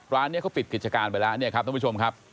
ร้านนี้เขาปิดกิจการไปแล้วเนี่ยครับท่านผู้ชมครับ